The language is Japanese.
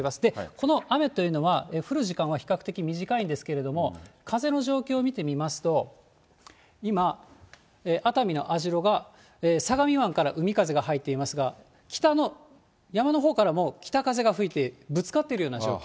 この雨というのは、降る時間というのは比較的、短いんですけれども、風の状況を見てみますと、今、熱海の網代が相模湾から海風が入っていますが、北の山のほうからも北風が吹いてぶつかっているような状況。